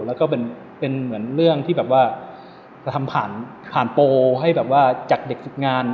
แล้วก็เป็นเหมือนเรื่องที่แบบว่าจะทำผ่านโปรให้แบบว่าจากเด็กฝึกงาน